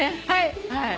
はい。